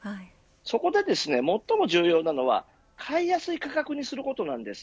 そこで最も重要なのは買いやすい価格にすることです。